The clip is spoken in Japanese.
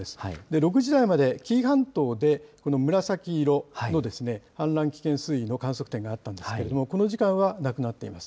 ６時台まで紀伊半島でこの紫色の氾濫危険水位の観測点があったんですけれども、この時間はなくなっています。